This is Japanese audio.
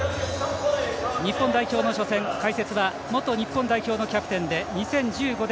日本の初戦、解説は元日本代表のキャプテンで２０１５年